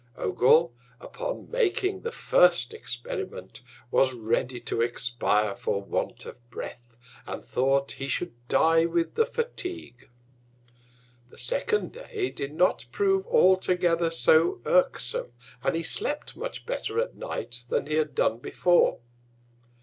Ogul, upon making the first Experiment, was ready to expire for want of Breath, and thought he should die with the Fatigue. The second Day did not prove altogether so irksome, and he slept much better at Night than he had done before.